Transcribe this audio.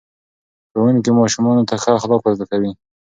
ښوونکي ماشومانو ته ښه اخلاق ور زده کړل.